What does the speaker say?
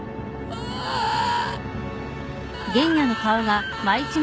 うわっ！